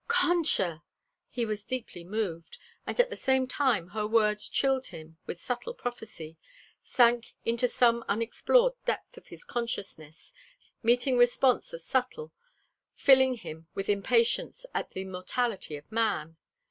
"Concha!" He was deeply moved, and at the same time her words chilled him with subtle prophecy, sank into some unexplored depth of his consciousness, meeting response as subtle, filling him with impatience at the mortality of man.